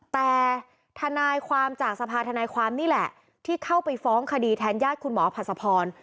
แต่ทนายความจากสภาธนายความนี่แหละที่เข้าไปฟ้องคดีแทนญาติคุณหมอผัดสะพร